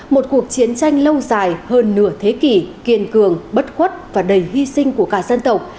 một cuộc chiến tranh lâu dài hơn nửa thế kỷ kiên cường bất khuất và đầy hy sinh của cả dân tộc